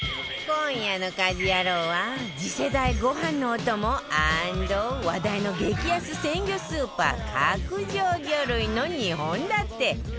今夜の『家事ヤロウ！！！』は次世代ご飯のお供＆話題の激安鮮魚スーパー角上魚類の２本立て